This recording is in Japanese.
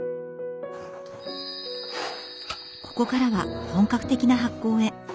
ここからは本格的な発酵へ。